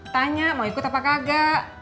tanya mau ikut apa kagak